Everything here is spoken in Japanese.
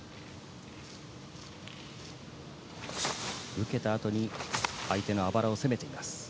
受けたあとに相手のあばらを攻めています。